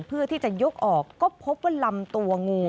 เพื่อที่จะยกออกก็พบว่าลำตัวงู